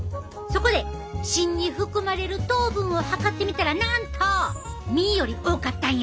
そこで芯に含まれる糖分を測ってみたらなんと実より多かったんや！